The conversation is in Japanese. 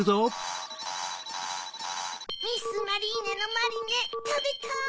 ・ミス・マリーネのマリネたべたい！